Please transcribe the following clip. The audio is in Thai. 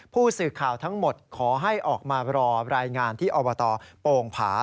ผู้สื่อข่าวทั้งหมดขอให้ออกมารอรายงานที่อบตโป่งผา